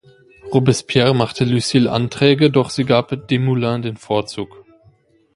Robespierre machte Lucile Anträge, doch sie gab Desmoulins den Vorzug.